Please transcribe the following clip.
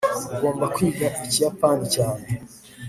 ugomba kwiga ikiyapani cyane